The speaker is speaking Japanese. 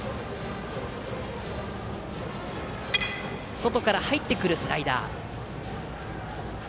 外から入ってくるスライダー。